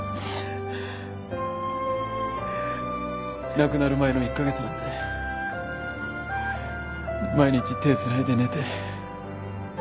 亡くなる前の１カ月なんて毎日手繋いで寝て。